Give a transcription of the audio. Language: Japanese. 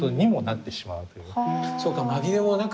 そうか。